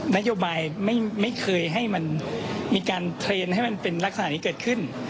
นโยบายไม่เคยให้มันมีการเทรนด์ให้มันเป็นลักษณะนี้เกิดขึ้น